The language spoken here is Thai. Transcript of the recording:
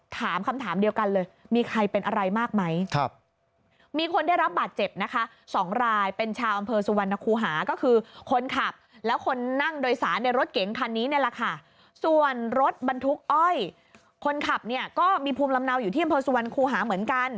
ถามคำถามเดียวกันเลยมีใครเป็นอะไรมากไหม